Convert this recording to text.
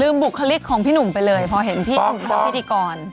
บุคลิกของพี่หนุ่มไปเลยพอเห็นพี่หนุ่มทำพิธีกร